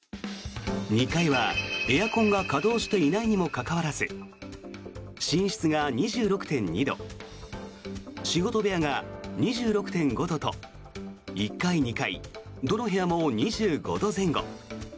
２階はエアコンが稼働していないにもかかわらず寝室が２６．２度仕事部屋が２６．５度と１階、２階、どの部屋も２５度前後。